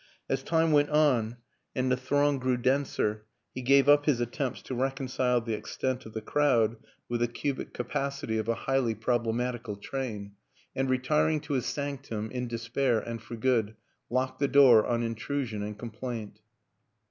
As time went on and the throng grew denser, he gave up his attempts to reconcile the extent of the crowd with the cubic WILLIAM AN ENGLISHMAN 183 capacity of a highly problematical train, and re tiring to his sanctum, in despair and for good, locked the door on intrusion and complaint.